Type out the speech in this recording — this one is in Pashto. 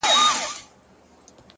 اوس د چا پر پلونو پل نږدم بېرېږم ـ